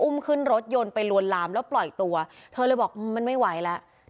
ขึ้นรถยนต์ไปลวนลามแล้วปล่อยตัวเธอเลยบอกมันไม่ไหวแล้ว